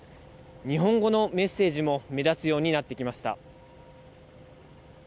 日本語のメッセージも目立つようになってきました。